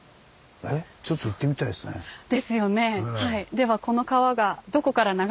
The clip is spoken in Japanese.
えっちょっと行ってみたいですね。ですよね。